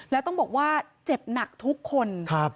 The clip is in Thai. แล้วต้องบอกว่าเจ็บหนักทุกคน